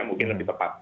mungkin lebih tepat